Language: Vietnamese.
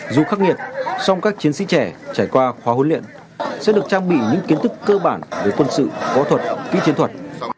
dù khắc nghiệt song các chiến sĩ trẻ trải qua khóa huấn luyện sẽ được trang bị những kiến thức cơ bản về quân sự võ thuật kỹ chiến thuật